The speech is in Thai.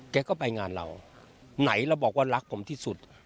แกก็ไปงานเราไหนเราบอกว่ารักผมที่สุด